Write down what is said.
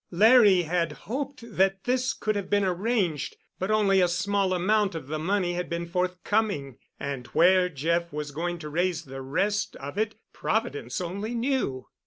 Larry had hoped that this could have been arranged, but only a small amount of the money had been forthcoming, and where Jeff was going to raise the rest of it Providence only knew!